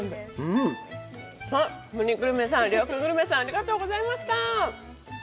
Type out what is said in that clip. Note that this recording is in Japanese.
ありがとうございます。